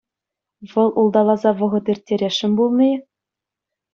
Вӑл улталаса вӑхӑт ирттересшӗн пулнӑ-и?